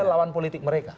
lawan politik mereka